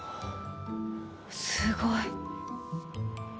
すごい。